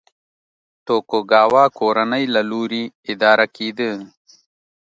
توکوګاوا کورنۍ له لوري اداره کېده.